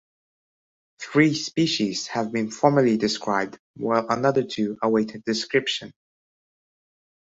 Three species have been formally described, while another two await description.